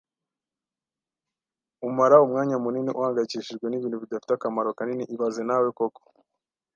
Umara umwanya munini uhangayikishijwe nibintu bidafite akamaro kanini ibaze nawe koko